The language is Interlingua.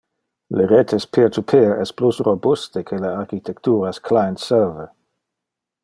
Le retes peer-to-peer es plus robuste que architecturas client-server.